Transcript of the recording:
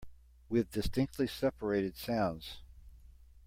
With distinctly separated sounds.